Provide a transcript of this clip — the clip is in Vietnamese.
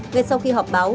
ngay sau khi họp báo